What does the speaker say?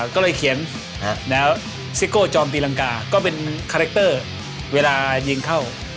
ก็เลยเขียนแล้วซิโก้จอมตีรังกาก็เป็นคาแรคเตอร์เวลายิงเข้า